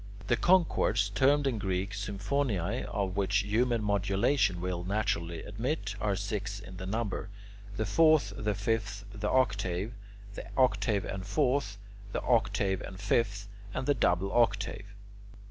The concords, termed in Greek [Greek: symphoniai], of which human modulation will naturally admit, are six in number: the fourth, the fifth, the octave, the octave and fourth, the octave and fifth, and the double octave.